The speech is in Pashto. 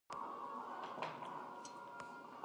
ټول واکسینونه په خوندي چاپېریال کې ساتل کېږي.